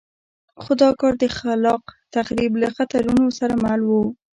خو دا کار د خلاق تخریب له خطرونو سره مل وو.